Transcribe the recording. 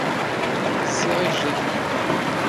ⵥⵥⵉⵖ ⵉⵊⵊⵉⴳⵏ.